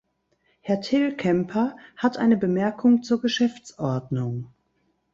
Herr Telkämper hat eine Bemerkung zur Geschäftsordnung.